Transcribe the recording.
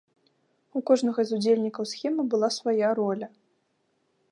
У кожнага з удзельнікаў схемы была свая роля.